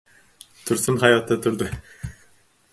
Tursun hayotda turdi.